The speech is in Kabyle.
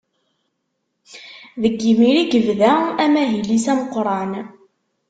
Deg yimir i yebda amahil-is ameqqran.